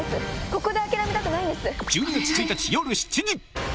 ここで諦めたくないんです！